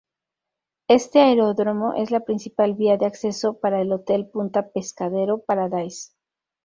Este aeródromo es la principal vía de acceso para el Hotel Punta Pescadero Paradise.